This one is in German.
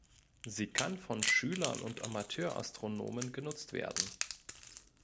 Sie kann von Schülern und Amateur-Astronomen genutzt werden.